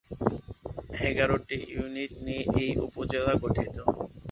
এগারোটি ইউনিয়ন নিয়ে এই উপজেলা গঠিত।